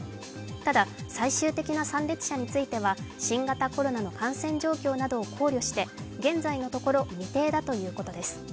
ただ、最終的な参列者については新型コロナの感染状況などを考慮して現在のところ未定だということです。